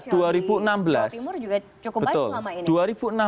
jawa timur juga cukup baik selama ini